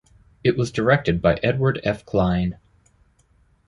It was directed by Edward F. Cline.